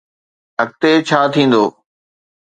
اڳتي ڇا ٿيندو؟